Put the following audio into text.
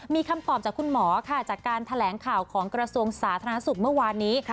มีคำตอบจากคุณหมอค่ะจากการแถลงข่าวของกระทรวงสาธารณสุขเมื่อวานนี้